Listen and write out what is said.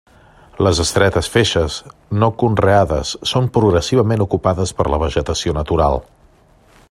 Les estretes feixes no conreades són progressivament ocupades per la vegetació natural.